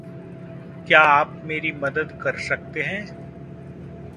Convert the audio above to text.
क्या आप मेरी मदद कर सकते हैं